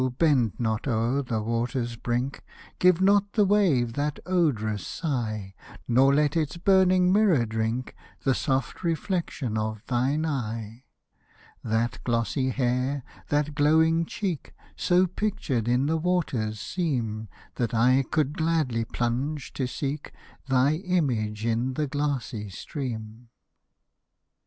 bend not o'er the water's brink, Give not the wave that odorous sigh, Nor let its burning mirror drink The soft reflection of thine eye. That glossy hair, that glowing cheek, So pictured in the waters seem, That I could gladly plunge to seek Thy image in the glassy stream.